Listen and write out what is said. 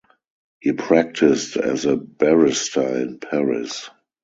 He practised as a barrister in Paris.